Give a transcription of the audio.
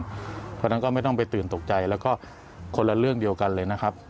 เพราะฉะนั้นก็ไม่ต้องไปตื่นตกใจแล้วก็คนละเรื่องเดียวกันเลยนะครับ